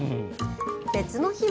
別の日も。